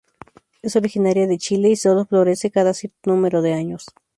Es originaria de Chile y solo florece cada cierto número de años.